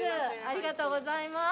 ありがとうございます。